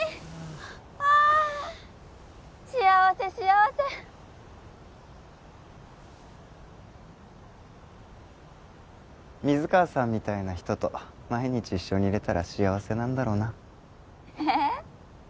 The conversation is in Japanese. あ幸せ幸せ水川さんみたいな人と毎日一緒にいれたら幸せなんだろうなえ？